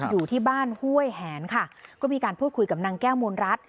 อยู่ที่บ้านห้วยแหนค่ะก็มีการพูดคุยกับนางแก้วมูลรัฐ